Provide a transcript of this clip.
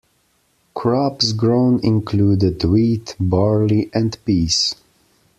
Crops grown included wheat, barley and peas.